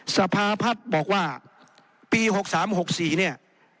สภาพัฒน์บอกว่าปี๖๓๖๔เนี่ย